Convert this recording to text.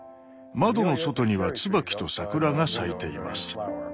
窓の外には椿と桜が咲いています。